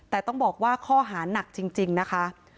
แต่ต้องบอกว่าข้อหานักจริงนะคะ